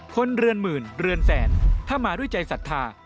เรือนหมื่นเรือนแสนถ้ามาด้วยใจศรัทธา